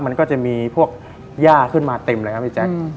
มันก็จะมีพวกย่าขึ้นมาเต็มเลยครับพี่แจ๊ค